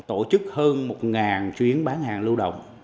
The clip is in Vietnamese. tổ chức hơn một chuyến bán hàng lưu động